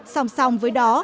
song song với đó